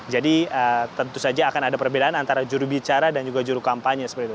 jadi tentu saja akan ada perbedaan antara jurubicara dan juga jurukampanye seperti itu